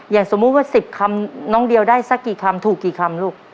อย่างสมมุติว่า๑๐คำน้องเดียวได้สักกี่คำถูกกี่คำลูก